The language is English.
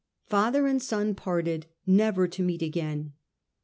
Father and son parted, never to meet again.